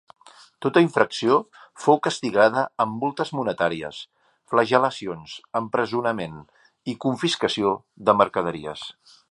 Tota infracció fou castigada amb multes monetàries, flagel·lacions, empresonament i confiscació de mercaderies.